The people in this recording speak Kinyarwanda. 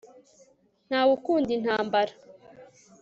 ntawe ukunda intambara